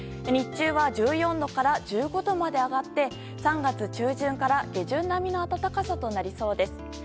日中は１４度から１５度まで上がって３月中旬から下旬並みの暖かさとなりそうです。